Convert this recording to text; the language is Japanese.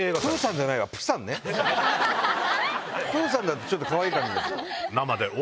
プーさんだとちょっとかわいい感じ。